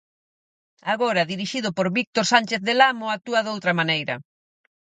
Agora dirixido por Víctor Sánchez Del Amo actúa doutra maneira.